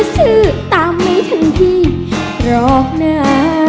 ซื้อตามให้ท่านพี่รอบหน้า